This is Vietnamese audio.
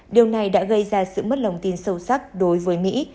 điều này đã gây ra sự mất lòng tin sâu sắc đối với mỹ